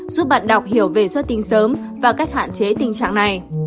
giúp bạn đọc hiểu về xuất tinh sớm và cách hạn chế tình trạng này